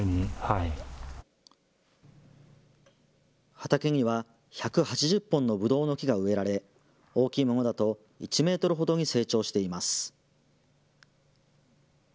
畑には１８０本のぶどうの木が植えられ大きいものだと１メートルほどに成長しています。